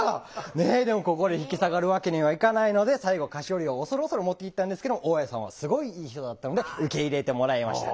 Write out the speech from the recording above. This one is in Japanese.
ねえでもここで引き下がるわけにはいかないので最後菓子折を恐る恐る持っていったんですけども大家さんはすごいいい人だったので受け入れてもらえました。